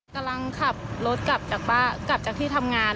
กำลังขับรถกลับจากที่ทำงาน